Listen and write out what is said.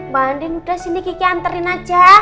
banding udah sini kiki anterin aja